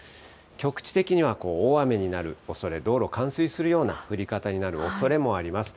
局地的には大雨になるおそれ、道路冠水するような降り方になるおそれもあります。